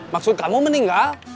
maksud kamu meninggal